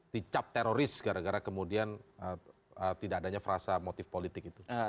dicap teroris gara gara kemudian tidak adanya frasa motif politik itu